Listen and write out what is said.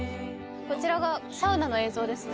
こちらがサウナの映像ですね